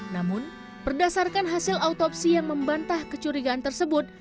namun berdasarkan hasil autopsi yang membantah kecurigaan tersebut